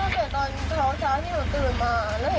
ตั้งแต่ตอนเช้าเช้าที่หนูตื่นมา